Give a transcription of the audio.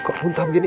kok muntah begini